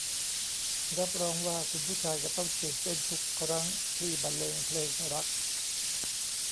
รับรองว่าคุณผู้ชายจะต้องตื่นเต้นทุกครั้งที่บรรเลงเพลงรัก